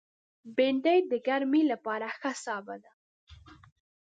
بېنډۍ د ګرمۍ لپاره ښه سابه دی